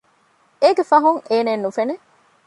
އޭގެ ފަހުން އޭނައެއް ނުފެނެ